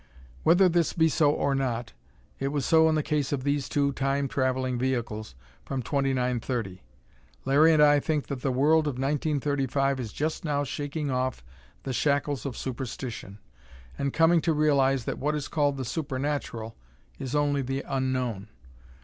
Whether this be so or not, it was so in the case of these two Time traveling vehicles from 2930. Larry and I think that the world of 1935 is just now shaking off the shackles of superstition, and coming to realize that what is called the supernatural is only the Unknown.